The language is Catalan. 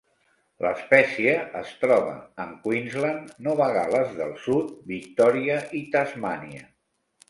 L'espècie es troba en Queensland, Nova Gal·les del Sud, Victòria i Tasmània.